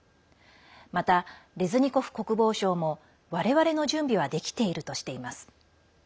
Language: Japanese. また、レズニコフ国防相も我々の準備はできているとしています。